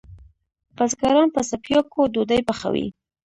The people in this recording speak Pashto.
بزګران په څپیاکو ډوډئ پخوی